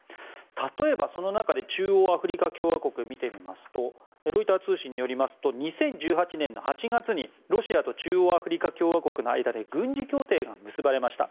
例えば、その中で中央アフリカ共和国を見てみますとロイター通信によりますと２０１８年の８月にロシアと中央アフリカ共和国の間で軍事協定が結ばれました。